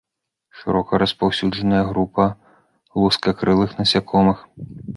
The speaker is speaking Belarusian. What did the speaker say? Шырока распаўсюджаная група лускакрылых насякомых.